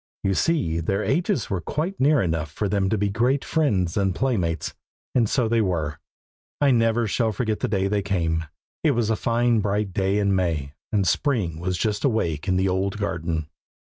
You see their ages were quite near enough for them all to be great friends and playmates, and so they were. I never shall forget the day they came. It was a fine bright day in May, and Spring was just awake in the old garden.